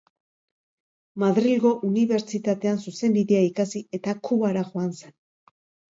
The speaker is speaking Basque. Madrilgo Unibertsitatean zuzenbidea ikasi eta Kubara joan zen.